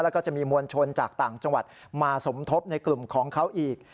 แล้วก็จะมีมวลชนจากต่างจังหวัดมาสมทบในกลุ่มของเขาอีก